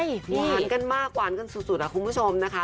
หวานกันมากหวานกันสุดคุณผู้ชมนะคะ